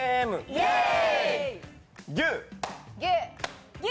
イエーイ！